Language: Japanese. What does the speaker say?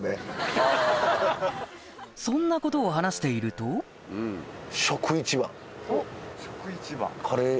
そんなことを話しているとだなおい。